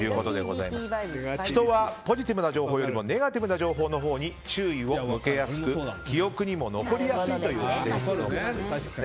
人はポジティブな情報よりもネガティブな情報のほうに注意を向けやすく記憶にも残りやすいという性質があるんですね。